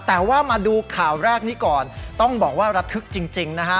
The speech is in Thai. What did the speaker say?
แต่ว่ามาดูข่าวแรกนี้ก่อนต้องบอกว่าระทึกจริงนะฮะ